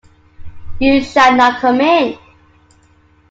You shall not come in.